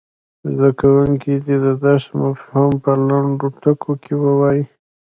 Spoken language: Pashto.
زده کوونکي دې د درس مفهوم په لنډو ټکو کې ووايي.